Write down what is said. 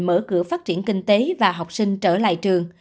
mở cửa phát triển kinh tế và học sinh trở lại trường